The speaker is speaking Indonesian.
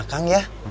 nah kang ya